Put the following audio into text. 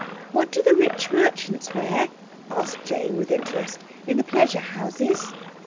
"What do the rich merchants wear," asked Jane, with interest, "in the pleasure houses?"